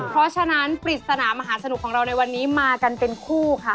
เพราะฉะนั้นปริศนามหาสนุกของเราในวันนี้มากันเป็นคู่ค่ะ